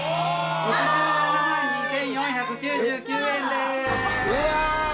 ６７万２，４９９円です。